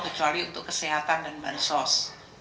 kecuali untuk kesehatan dan bansos